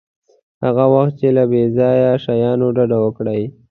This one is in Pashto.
هغه وخت چې له بې ځایه شیانو ډډه وکړئ.